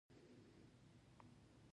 خپلواکي د ملتونو د ودې سبب ګرځي.